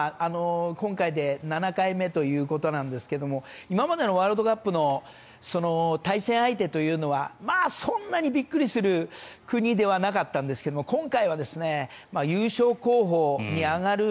今回で７回目ということなんですが今までのワールドカップの対戦相手というのはそんなにびっくりする国ではなかったんですが今回は優勝候補に挙がる